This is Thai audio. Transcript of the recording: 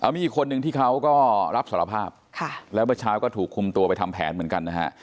มีอีกคนนึงที่เขาก็รับสารภาพแล้วเมื่อเช้าก็ถูกคุมตัวไปทำแผนเหมือนกันนะฮะ